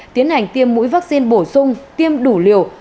tiến hành tiêm mũi vaccine bổ sung tiêm đủ liều